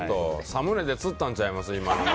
サムネで釣ったんちゃいます？